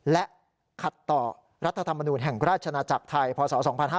และขัดต่อรัฐธรรมนูลแห่งราชนาจักรไทยพศ๒๕๕๙